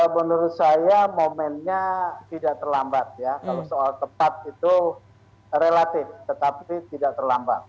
menurut saya momennya tidak terlambat ya kalau soal tepat itu relatif tetapi tidak terlambat